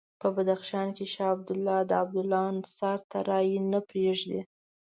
په بدخشان کې شاه عبدالله د عبدالله انحصار ته رایې نه پرېږدي.